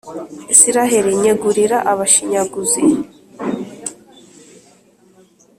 israheli nyegurira abashinyaguzi.